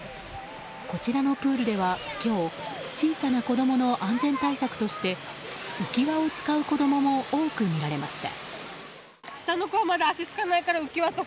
こちらのプールでは今日小さな子供の安全対策として浮き輪を使う子供も多く見られました。